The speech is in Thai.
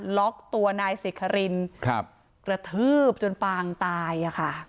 ล็อกตัวนายสิครินครับกระทืบจนปางตายอะค่ะ